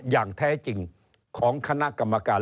อย่างแท้จริงของคณะกรรมการ